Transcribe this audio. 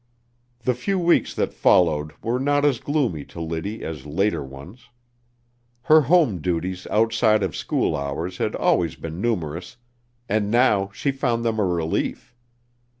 The few weeks that followed were not as gloomy to Liddy as later ones. Her home duties outside of school hours had always been numerous, and now she found them a relief.